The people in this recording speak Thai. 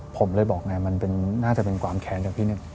ผมเลยบอกว่ามันน่าจะเป็นความแข็งจากพี่นึง